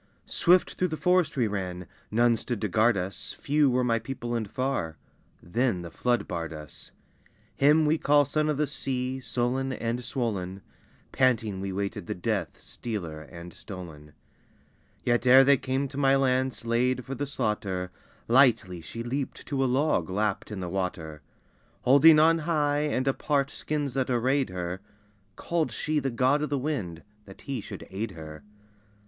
Swift through the forest we ran; none stood to guard us, Few were my people and far; then the flood barred us Him we call Son of the Sea, sullen and swollen; Panting we waited the death, stealer and stolen, Yet ere they came to my lance laid for the slaughter, Lightly she leaped to a log lapped in the water; Holding on high and apart skins that arrayed her, Called she the God of the Wind that he should aid her.